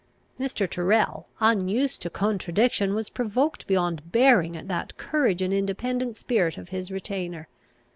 Mr. Tyrrel, unused to contradiction, was provoked beyond bearing at the courage and independent spirit of his retainer.